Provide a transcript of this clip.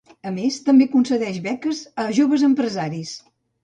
A més, també concedeix beques a joves empresaris.